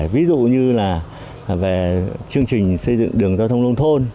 ví dụ như là về chương trình xây dựng đường giao thông nông thôn